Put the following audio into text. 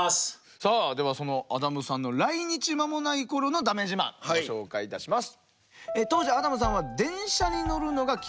さあではそのアダムさんの来日間もない頃のだめ自慢ご紹介いたします。